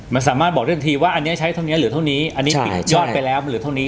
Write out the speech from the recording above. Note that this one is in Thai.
มันสามารถบอกได้ทันทีว่าอันนี้ใช้เท่านี้เหลือเท่านี้อันนี้ผิดยอดไปแล้วเหลือเท่านี้